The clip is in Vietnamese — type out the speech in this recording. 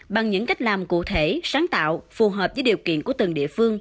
bằng những cách làm cụ thể sáng tạo phù hợp với điều kiện của từng địa phương